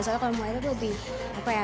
soalnya kalau muay thai lebih apa ya